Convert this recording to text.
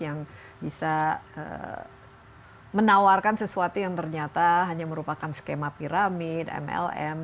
yang bisa menawarkan sesuatu yang ternyata hanya merupakan skema piramid mlm